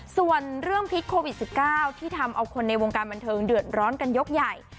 ส่วนเรื่องพิษโควิด๑๙ที่ทำเอาคนในวงการบันเทิงเดือดร้อนกันยกใหญ่